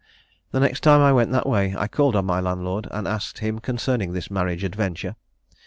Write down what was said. The next time I went that way I called on my landlord and asked him concerning this marriage adventure.